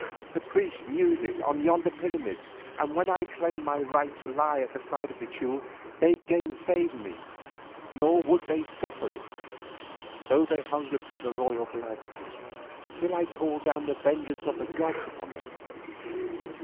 The priests knew this on yonder pyramid, and when I claimed my right to lie at the side of the Teule, they gainsayed me, nor would they suffer it, though they hungered for the royal blood, till I called down the vengeance of the gods upon them.